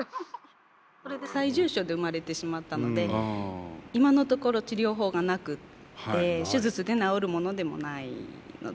それで最重症で生まれてしまったので今のところ治療法がなくって手術で治るものでもないので。